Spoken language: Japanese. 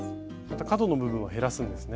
角の部分を減らすんですね。